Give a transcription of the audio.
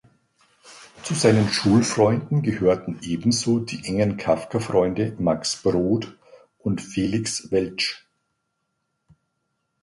Zu seinen Schulfreunden gehörten ebenso die engen Kafka-Freunde Max Brod und Felix Weltsch.